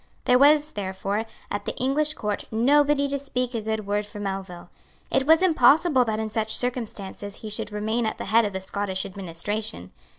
There was, therefore, at the English Court nobody to speak a good word for Melville. It was impossible that in such circumstances he should remain at the head of the Scottish administration.